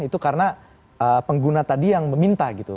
itu karena pengguna tadi yang meminta gitu